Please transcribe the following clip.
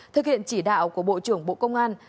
thực hiện chỉ đạo của bộ trưởng bộ công an